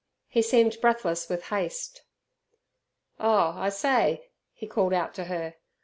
He seemed breathless with haste. "Oh, I say!" he called out to her.